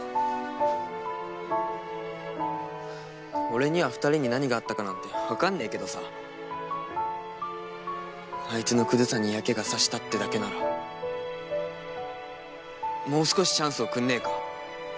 俺には２人に何があったかなんて分かんねぇけどさあいつのクズさに嫌気が差したってだけならもう少しチャンスをくんねぇか？